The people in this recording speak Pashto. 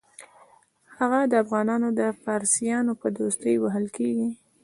هغه د افغانانو او فارسیانو په دوستۍ وهل کېږي.